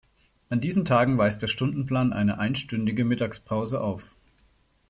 An diesen Tagen weist der Stundenplan eine einstündige Mittagspause auf.